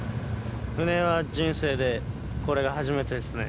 船は人生でこれが初めてですね。